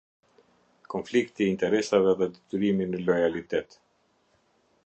Kontlikti i interesave dhe detyrimi në lojalitet.